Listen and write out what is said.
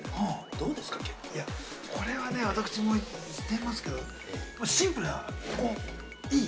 ◆これはね、私もしてますけどシンプルな、いい！